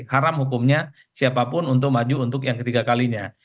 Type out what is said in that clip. haram hukumnya siapapun untuk maju untuk yang ketiga kalinya